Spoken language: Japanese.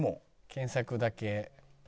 検索だけ。